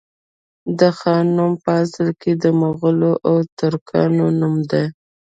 د خان نوم په اصل کي د مغولو او ترکانو نوم دی